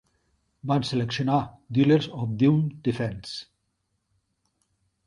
Van seleccionar "Dealers of Doom Defense".